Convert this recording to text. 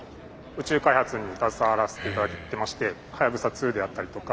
宇宙開発に携わらせていただいてまして「はやぶさ２」であったりとか。